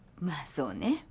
まあそうね。